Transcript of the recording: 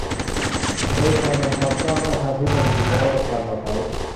โดยการนำความก้าวหน้าทางเทคโนโลยี นวัตกรรมมาใช้